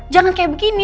jangan kayak begini